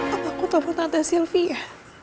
apa aku tolong tante sylvia